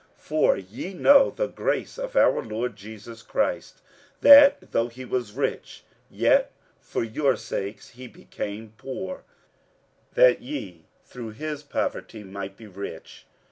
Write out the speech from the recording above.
47:008:009 For ye know the grace of our Lord Jesus Christ, that, though he was rich, yet for your sakes he became poor, that ye through his poverty might be rich.